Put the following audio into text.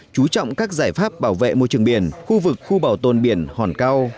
chú trọng các giải pháp bảo vệ môi trường biển khu vực khu bảo tồn biển hòn cao